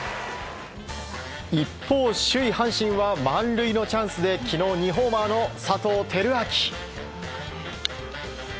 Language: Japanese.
一方、首位阪神は満塁のチャンスで昨日、２ホーマーの佐藤輝明。